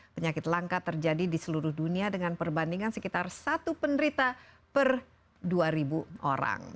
penyakit langka terjadi di seluruh dunia dengan perbandingan sekitar satu penderita per dua orang